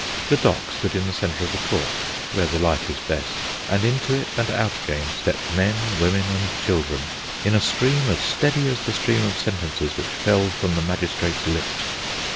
The dock stood in the centre of the court (where the light is best), and into it and out again stepped men, women, and children, in a stream as steady as the stream of sentences which fell from the magistrate's lips.